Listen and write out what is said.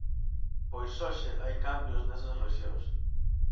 Pois hoxe hai cambios nesas rexións.